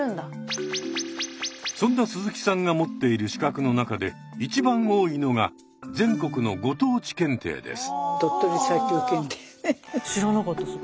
そんな鈴木さんが持っている資格の中で一番多いのが全国のご当地検定です。